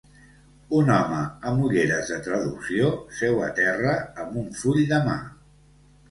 Un home amb ulleres de traducció seu a terra amb un full de mà.